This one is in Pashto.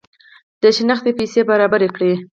د شنختې پیسې برابري کړي.